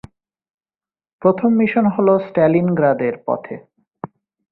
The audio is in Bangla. প্রথম মিশন হল স্ট্যালিনগ্রাদের পথে।